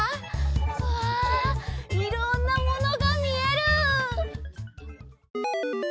うわいろんなものがみえる！